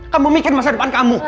kamu bikin masa depan kamu